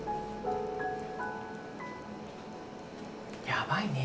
やばいね。